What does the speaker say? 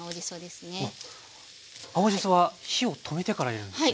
青じそは火を止めてから入れるんですね。